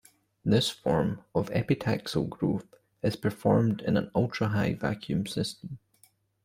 This form of epitaxial growth is performed in an ultrahigh vacuum system.